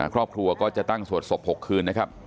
ครอบครัวก็จะตั้งสวดศพ๖คืนนะครับ